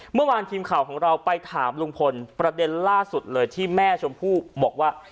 เมื่อวานทีมข่าวของเราไปถามลุงพลประเด็นล่าสุดเลยที่แม่ชมพู่บอกว่า